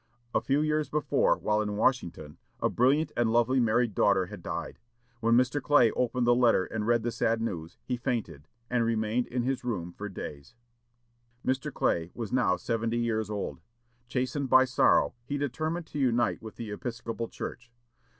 A few years before, while in Washington, a brilliant and lovely married daughter had died. When Mr. Clay opened the letter and read the sad news, he fainted, and remained in his room for days. Mr. Clay was now seventy years old. Chastened by sorrow, he determined to unite with the Episcopal Church.